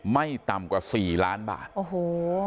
ไม่ต่ำกว่าสี่ล้านบาทโอ้โห